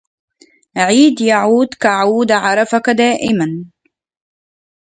عيد يعود كعود عرفك دائما